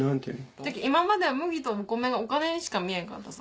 今まで麦とお米がお金にしか見えんかったぞ。